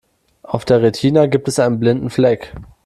Auf der Retina gibt es einen blinden Fleck.